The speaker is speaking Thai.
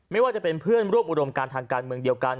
ไม่ว่าจะเป็นเพื่อนร่วมอุดมการทางการเมืองเดียวกัน